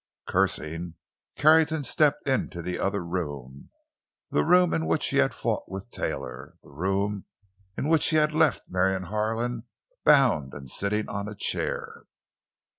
Cursing, Carrington stepped into the other room—the room in which he had fought with Taylor—the room in which he had left Marion Harlan bound and sitting on a chair.